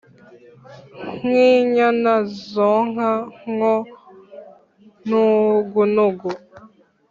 Nk'inyana zonka ngo nugunugu